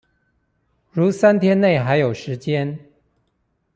如三天内還有時間